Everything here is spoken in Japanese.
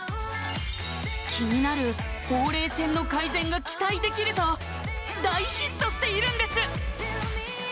気になるほうれい線の改善が期待できると大ヒットしているんです